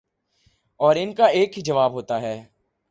اور ان کا ایک ہی جواب ہوتا ہے